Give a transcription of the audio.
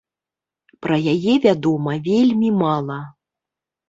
Пра яе вядома вельмі мала.